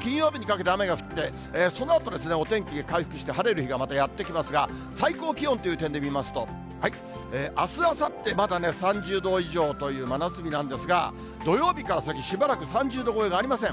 金曜日にかけて、雨が降って、そのあとお天気回復して、晴れる日がまたやって来ますが、最高気温っていう点で見ますと、あす、あさって、まだね、３０度以上という真夏日なんですが、土曜日から先、しばらく３０度超えがありません。